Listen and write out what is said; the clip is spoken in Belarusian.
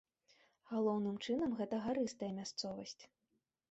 Галоўным чынам гэта гарыстая мясцовасць.